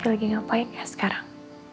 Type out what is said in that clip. lagi gak apa apa ya sekarang